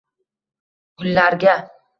gullarga